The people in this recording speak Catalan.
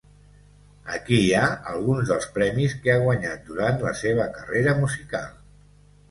Aquí hi ha alguns dels premis que ha guanyat durant la seva carrera musical.